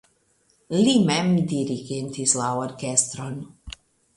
Li mem dirigentis la orkestron.